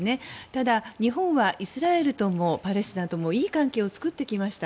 ただ、日本はイスラエルともパレスチナともいい関係を作ってきました。